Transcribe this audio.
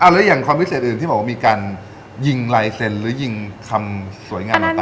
แล้วอย่างความพิเศษอื่นที่บอกว่ามีการยิงลายเซ็นต์หรือยิงคำสวยงามต่าง